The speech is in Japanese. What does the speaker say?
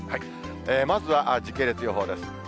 まずは時系列予報です。